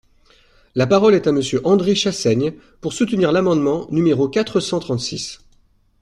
La parole est à Monsieur André Chassaigne, pour soutenir l’amendement numéro quatre cent trente-six.